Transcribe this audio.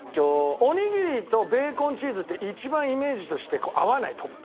おにぎりとベーコンチーズって一番イメージとして合わないトッピングとして。